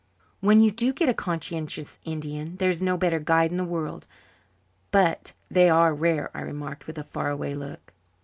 "When you do get a conscientious Indian there's no better guide in the world, but they are rare," I remarked with a far away look.